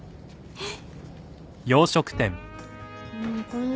えっ？